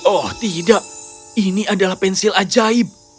oh tidak ini adalah pensil ajaib